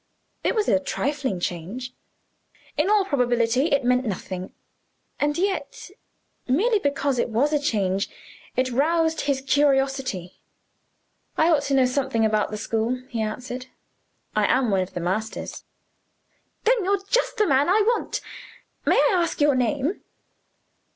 It was a trifling change; in all probability it meant nothing and yet, merely because it was a change, it roused his curiosity. "I ought to know something about the school," he answered. "I am one of the masters." "Then you're just the man I want. May I ask your name?"